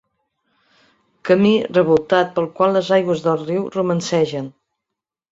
Camí revoltat pel qual les aigües del riu romancegen.